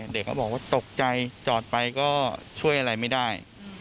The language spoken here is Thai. เขาบอกว่าตกใจจอดไปก็ช่วยอะไรไม่ได้